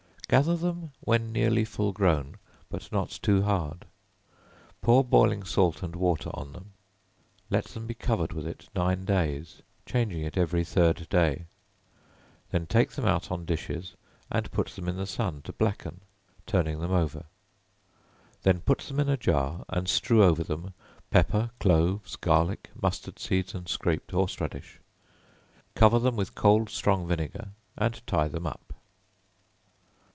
Gather them when nearly full grown, but not too hard; pour boiling salt and water on them; let them be covered with it nine days, changing it every third day; then take them out on dishes, and put them in the sun to blacken, turning them over; then put them in a jar and strew over them pepper, cloves, garlic, mustard seed and scraped horse radish; cover them with cold strong vinegar and tie them up.